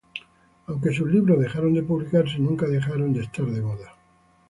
Aunque sus libros dejaron de publicarse, nunca dejaron de estar de moda".